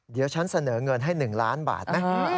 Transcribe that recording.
เดี๋ยวฉันเสนอเงินให้๑ล้านบาทไหม